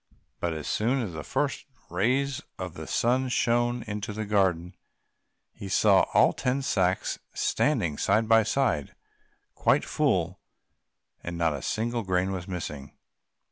But as soon as the first rays of the sun shone into the garden he saw all the ten sacks standing side by side, quite full, and not a single grain was missing.